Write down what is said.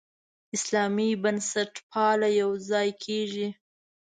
اسلامي بنسټپالنه یوځای کېږي.